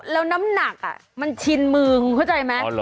แล้วน้ำหนักมันชินมึงเข้าใจไหม